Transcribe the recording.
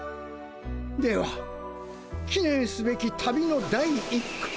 ではきねんすべき旅の第一句。